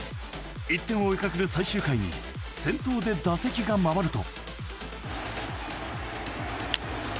１点を追い掛ける最終回に先頭で打席が回ると。